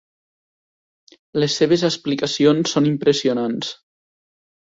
Les seves explicacions són impressionants.